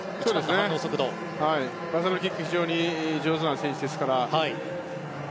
バサロキック非常に上手な選手ですから。